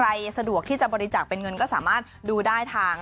สะดวกที่จะบริจาคเป็นเงินก็สามารถดูได้ทาง